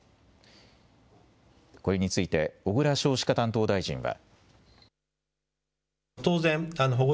これについて小倉少子化担当大臣は。